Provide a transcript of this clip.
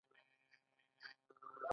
د نبات ریښې څه دنده لري